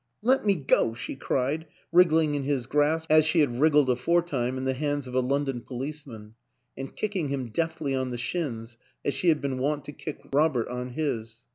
" Let me go," she cried, wriggling in his grasp 84 WILLIAM AN ENGLISHMAN as she had wriggled aforetime in the hands of a London policeman, and kicking him deftly on the shins as she had been wont to kick Robert on his.